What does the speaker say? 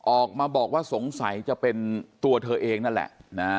ออกมาบอกว่าสงสัยจะเป็นตัวเธอเองนั่นแหละนะฮะ